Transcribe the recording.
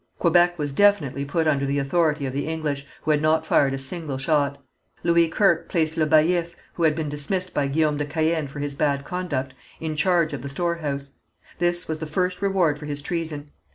Quebec was definitely put under the authority of the English, who had not fired a single shot. Louis Kirke placed Le Baillif, who had been dismissed by Guillaume de Caën for his bad conduct, in charge of the storehouse. This was the first reward for his treason.